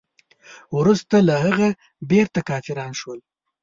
وروسته له هغه بیرته کافران شول.